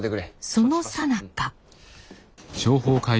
そのさなか。